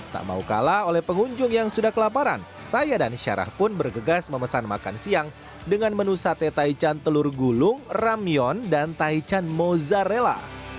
tak mau kalah oleh pengunjung yang sudah kelaparan saya dan syarah pun bergegas memesan makan siang dengan menu sate taichan telur gulung ramyon dan taichan mozzarella